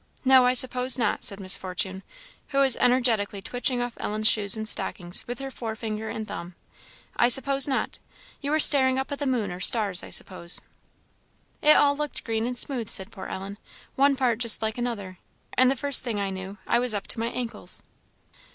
"No, I suppose not," said Miss Fortune, who was energetically twitching off Ellen's shoes and stockings with her fore finger and thumb "I suppose not; you were staring up at the moon or stars, I suppose." "It all looked green and smooth," said poor Ellen "one part just like another and the first thing I knew, I was up to my ankles."